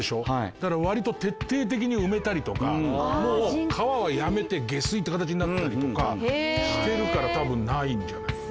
だから割と徹底的に埋めたりとかもう川はやめて下水って形になったりとかしてるから多分ないんじゃないかな。